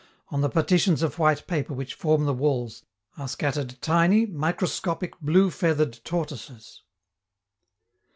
On the partitions of white paper which form the walls, are scattered tiny, microscopic, blue feathered tortoises.